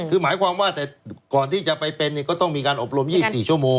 คือหมายความว่าแต่ก่อนที่จะไปเป็นเนี้ยก็ต้องมีการอบรมยี่สิบสี่ชั่วโมง